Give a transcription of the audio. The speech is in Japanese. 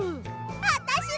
あたしも！